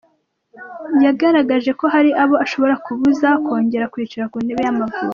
Yagaragaje ko hari abo ashobora kubuza kongera kwicara ku ntebe y’Amavubi.